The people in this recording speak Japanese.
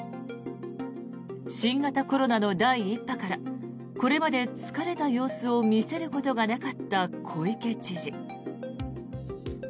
新型コロナの第１波からこれまで疲れた様子を見せることがなかった小池知事。